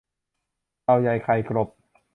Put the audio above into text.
เต่าใหญ่ไข่กลบ